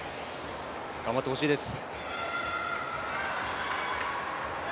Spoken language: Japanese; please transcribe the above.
頑張ってほしいです。